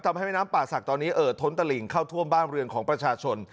ทำให้แม่น้ำป่าศักดิ์ตอนนี้เอ่อท้นตะหลิงเข้าท่วมบ้านเรือนของประชาชน